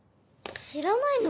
知らないの？